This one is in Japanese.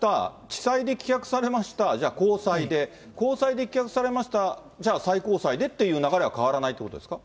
地裁で棄却されました、じゃあ高裁で、高裁で棄却されました、じゃあ、最高裁でという流れは変わらないってことですか？